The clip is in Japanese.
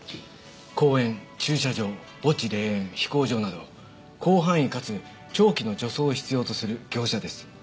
公園駐車場墓地霊園飛行場など広範囲かつ長期の除草を必要とする業者です。